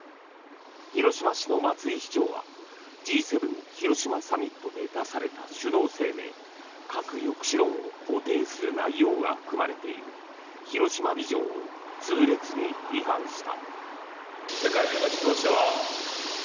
広島市の松井市長はＧ７広島サミットで出された首脳声明核抑止論を肯定する内容が含まれている広島ビジョンを痛烈に批判した。